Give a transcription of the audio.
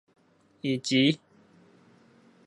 以及